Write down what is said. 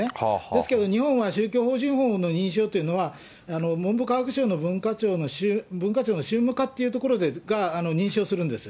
ですけど日本は宗教法人法の認証というのは、文部科学省の文化庁の宗務課というところが認証するんです。